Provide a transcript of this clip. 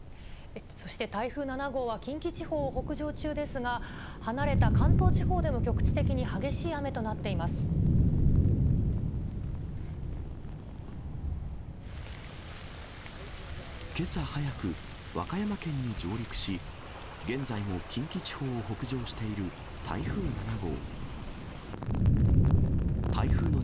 そして台風７号は、近畿地方を北上中ですが、離れた関東地方でも、局地的に激しい雨となってけさ早く、和歌山県に上陸し、現在も近畿地方を北上している台風７号。